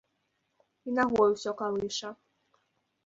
І нагой усё калыша.